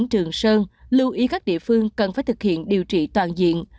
thứ trưởng bộ y tế nguyễn trường sơn lưu ý các địa phương cần phải thực hiện điều trị toàn diện